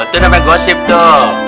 itu namanya gossip tuh